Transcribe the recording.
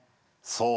そう。